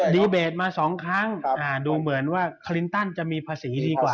เบตมา๒ครั้งดูเหมือนว่าคลินตันจะมีภาษีดีกว่า